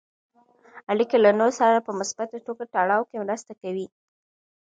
اړیکې له نورو سره په مثبته توګه تړاو کې مرسته کوي.